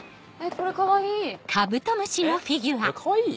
これかわいい？